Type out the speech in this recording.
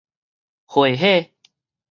回火